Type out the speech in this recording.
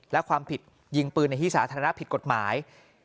และความผิดยิงปืนในที่สาธารณะผิดกฎหมาย